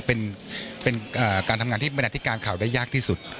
เป็นการทำงานที่เป็นอธิการข่าวได้ยากที่สุด